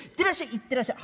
「行ってらっしゃい」。